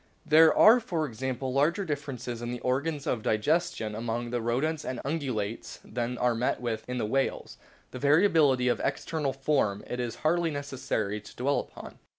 There are, for example, larger differences in the organs of digestion among the Rodents and Ungulates than are met with in the whales ; the variability of external form it is hardly necessary to dwell upon.